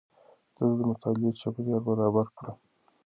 ده د مطالعې چاپېريال برابر کړ.